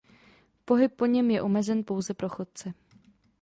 Pohyb po něm je omezen pouze pro chodce.